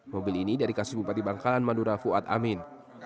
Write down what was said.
mobil ini dari kasus bupati bangkalan madura fuad amin